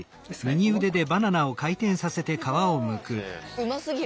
うますぎる。